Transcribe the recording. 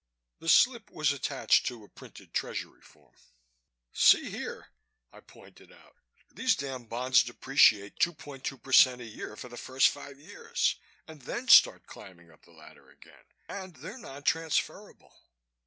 The slip was attached to a printed Treasury form. "See here," I pointed out. "These damn bonds depreciate 2.2% a year for the first five years and then start climbing up the ladder again, and they're non transferable."